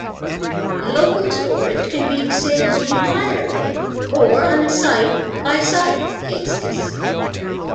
Local storage can be disabled entirely or on a site-by-site basis.